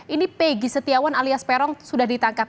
ini pegi setiawan alias perong sudah ditangkap